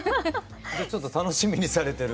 ちょっと楽しみにされてる。